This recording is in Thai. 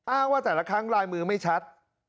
ว่าแต่ละครั้งลายมือไม่ชัด